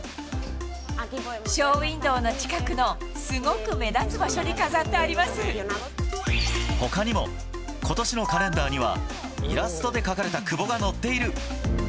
ショーウインドーの近くの、すごく目立つ場所に飾ってありまほかにも、ことしのカレンダーには、イラストで描かれた久保が載っている。